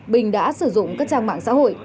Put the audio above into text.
bình đã sử dụng các trang mạng xã hội